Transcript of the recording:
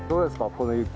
この雪。